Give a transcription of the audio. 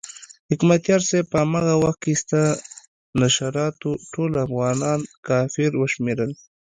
حکمتیار صاحب په هماغه وخت کې ستا نشراتو ټول افغانان کافران وشمېرل.